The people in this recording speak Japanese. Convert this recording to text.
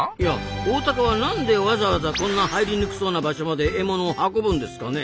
オオタカはなんでわざわざこんな入りにくそうな場所まで獲物を運ぶんですかね？